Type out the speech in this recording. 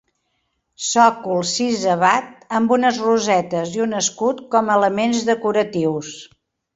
Sòcol sisavat amb unes rosetes i un escut com a elements decoratius.